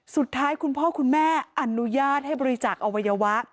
สุดท้ายคุณพ่อคุณแม่อนุญาตให้บริจักษ์อวัยวะ